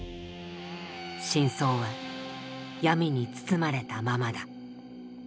真相は闇に包まれたままだ。